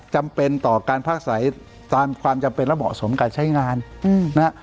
จำเป็นต่อการพักอาศัยตามความจำเป็นและเหมาะสมการใช้งานนะฮะ